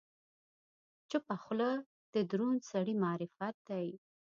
چپه خوله، د دروند سړي معرفت دی.